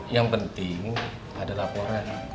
yang penting ada laporan